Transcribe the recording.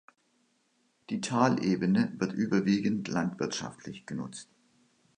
Die Talebene wird überwiegend landwirtschaftlich genutzt.